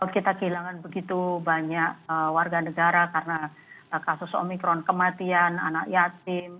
kita kehilangan begitu banyak warga negara karena kasus omikron kematian anak yatim